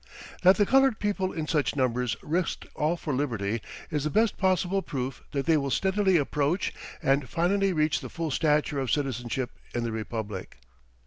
That the colored people in such numbers risked all for liberty is the best possible proof that they will steadily approach and finally reach the full stature of citizenship in the Republic.